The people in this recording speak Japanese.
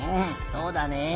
そうだね。